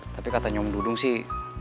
tapi kata nyom dudung sih